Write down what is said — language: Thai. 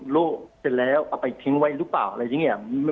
ลูกเสร็จแล้วเอาไปทิ้งไว้หรือเปล่าอะไรอย่างนี้